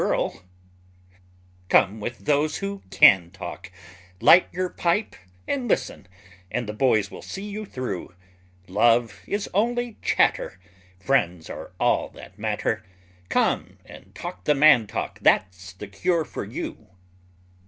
Come and have a man talk; Come with those who can talk; Light your pipe and listen, and the boys will see you through; Love is only chatter, Friends are all that matter; Come and talk the man talk; that's the cure for you!